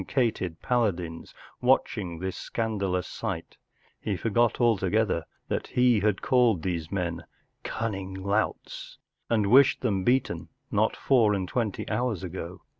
‚ñÝ cated Paladins watching this scandalous sight, he forgot altogether that he had called these men 41 cunning louts ” and wished them beaten not four and twenty hours ago.